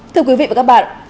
thưa quý vị và các bạn